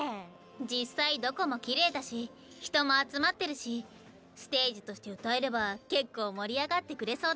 実際どこもきれいだし人も集まってるしステージとして歌えれば結構盛り上がってくれそうだけど。